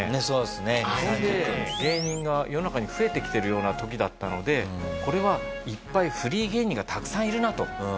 それで芸人が世の中に増えてきてるような時だったのでこれはいっぱいフリー芸人がたくさんいるなと。